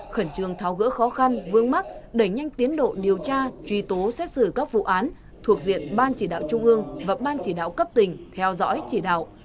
khẩn trương tháo gỡ khó khăn vương mắc đẩy nhanh tiến độ điều tra truy tố xét xử các vụ án thuộc diện ban chỉ đạo trung ương và ban chỉ đạo cấp tỉnh theo dõi chỉ đạo